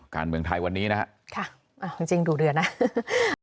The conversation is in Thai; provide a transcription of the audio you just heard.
การเมืองไทยวันนี้นะครับ